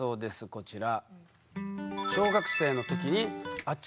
こちら。